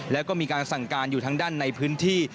แล้วก็มีการสั่งการอยู่ทางด้านในพื้นที่